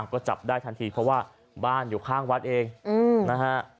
ก็จับได้ทันทีเพราะว่าบ้านอยู่ข้างวัดเองนะฮะ